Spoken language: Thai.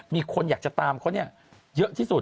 มีคนอยากจะตามเขาเยอะที่สุด